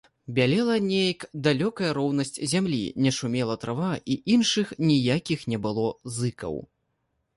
Бялела нейк далёкая роўнасць зямлі, не шумела трава, і іншых ніякіх не было зыкаў.